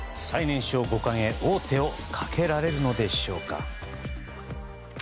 最年少五冠へ王手をかけられるのでしょうか。